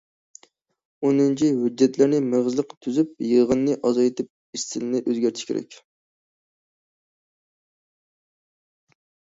ئونىنچى، ھۆججەتلەرنى مېغىزلىق تۈزۈپ، يىغىننى ئازايتىپ ئىستىلنى ئۆزگەرتىشى كېرەك.